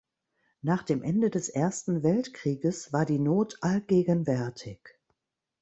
Nach dem Ende des Ersten Weltkrieges war die Not allgegenwärtig.